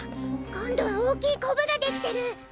今度は大きいこぶができてる。